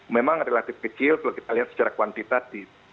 memang relatif kecil kalau kita lihat secara kuantitatif